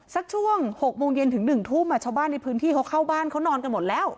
สักช่วง๖โมงเย็นถึง๑ทุ่มชาวบ้านในพื้นที่เขาเข้าบ้านเขานอนกันหมดแล้ว